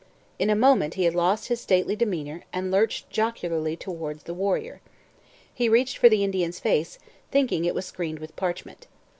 In a moment he had lost his stately demeanour and lurched jocularly towards the warrior. He reached for the Indian's face, thinking it was screened with parchment.